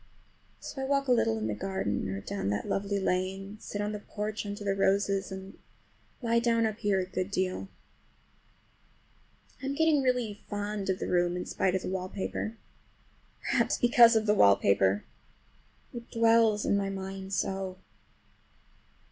So I walk a little in the garden or down that lovely lane, sit on the porch under the roses, and lie down up here a good deal. I'm getting really fond of the room in spite of the wallpaper. Perhaps because of the wallpaper. It dwells in my mind so!